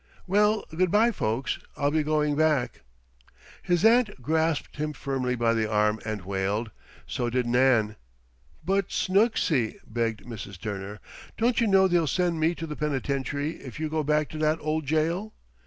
Well, good bye, folks, I'll be going back." His aunt grasped him firmly by the arm and wailed. So did Nan. "But, Snooksy," begged Mrs. Turner, "don't you know they'll send me to the penitentiary if you go back to that old jail?"